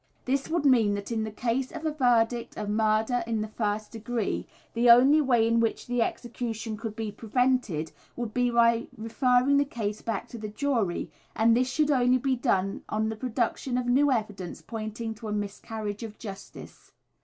This would mean that in the case of a verdict of "murder in the first degree," the only way in which the execution could be prevented would be by referring the case back to the jury, and this should only be done on the production of new evidence pointing to a miscarriage of justice.